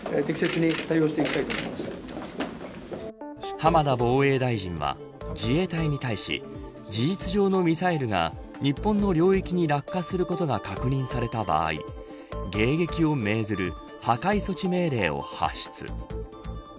浜田防衛大臣は自衛隊に対し事実上のミサイルが日本の領域に落下することが確認された場合迎撃を命ずる破壊措置命令を発出。